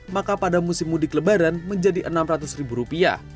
maka pada musim mudik lebaran menjadi rp enam ratus